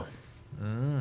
うん。